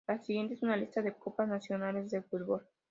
La siguiente es una lista de copas nacionales de fútbol.